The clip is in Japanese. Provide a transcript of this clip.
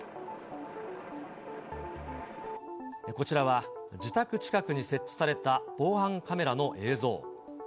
こちらは、自宅近くに設置された防犯カメラの映像。